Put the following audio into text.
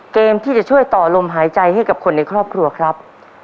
เกมที่จะช่วยต่อลมหายใจให้กับคนในครอบครัวครับ